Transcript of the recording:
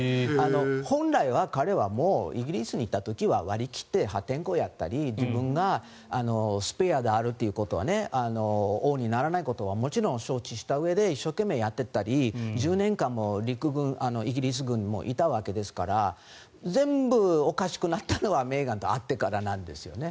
本来は彼はイギリスにいた時は割り切って破天荒をやったり自分がスペアであるということを王にならないことはもちろん承知したうえで一生懸命やっていたり１０年間もイギリス軍にいたわけですから全部、おかしくなったのはメーガンと会ってからなんですよね。